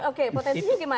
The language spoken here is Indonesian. oke potensinya gimana